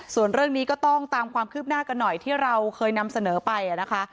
ส่วนเรื่องนี้ก็ต้องตามความคืบหน้ากันหน่อยที่เราเคยนำเสนอไปนะคะ